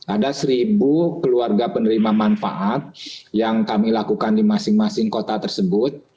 ada seribu keluarga penerima manfaat yang kami lakukan di masing masing kota tersebut